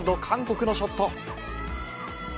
韓国のショット。